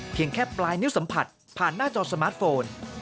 แค่ปลายนิ้วสัมผัสผ่านหน้าจอสมาร์ทโฟน